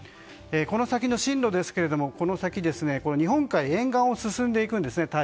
この先の進路ですが、台風は日本海沿岸を進んでいくんです。